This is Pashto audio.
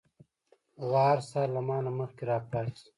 غوا هر سهار له ما نه مخکې راپاڅي.